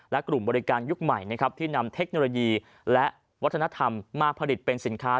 และกลุ่มบริการยุคใหม่นะครับที่นำเทคโนโลยีและวัฒนธรรมมาผลิตเป็นสินค้า